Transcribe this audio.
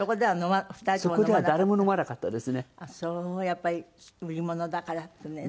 やっぱり売り物だからってね。